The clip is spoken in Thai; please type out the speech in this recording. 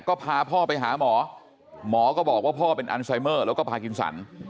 ก็พาพ่อไปหาหมอหมอก็บอกว่าพ่อเป็นอันไซเมอร์แล้วก็พากินสัน